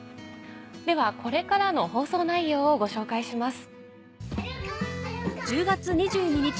ではこれからの放送内容をご紹介します。